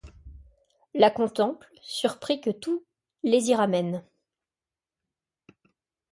. La contemplent, surpris que tout les y ramène